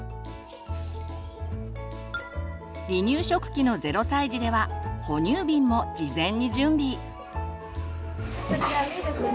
離乳食期の０歳児では哺乳瓶も事前に準備。